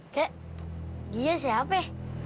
kek dia siapa